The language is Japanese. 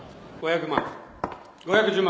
５１０万。